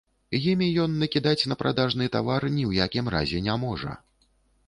Імі ён накідаць на прадажны тавар ні ў якім разе не можа.